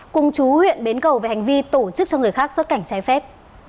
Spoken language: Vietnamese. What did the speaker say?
cùng chú huyện bến cầu về hành vi tổ chức cho người khác xuất cảnh trái phép